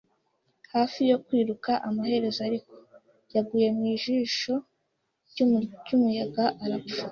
hafi yo kwiruka. Amaherezo ariko, yaguye mu jisho ry'umuyaga, arapfa